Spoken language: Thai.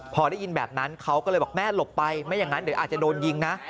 พอได้ยินแบบนั้นเขาก็เลยบอกแม่หลบไปไม่อย่างนั้นเดี๋ยวอาจจะโดนยิงนะ